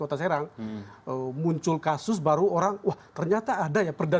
kemudian misalnya seperti kota serang muncul kasus baru orang wah ternyata ada ya perda dua ribu sepuluh